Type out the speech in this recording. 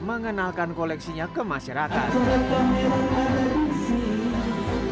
mengenalkan koleksinya ke masyarakat